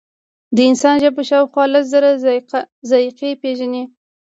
د انسان ژبه شاوخوا لس زره ذایقې پېژني.